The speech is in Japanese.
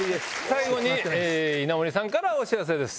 最後に稲森さんからお知らせです。